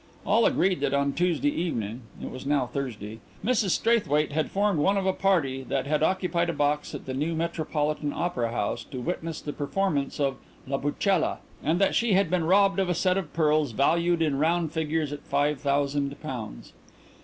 All agreed that on Tuesday evening it was now Thursday Mrs Straithwaite had formed one of a party that had occupied a box at the new Metropolitan Opera House to witness the performance of La Pucella, and that she had been robbed of a set of pearls valued in round figures at five thousand pounds.